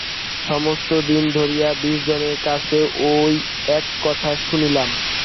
সমস্ত দিন ধরিয়া বিশজনের কাছে ওই এক কথা শুনিলাম।